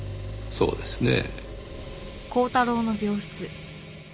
そうですねぇ。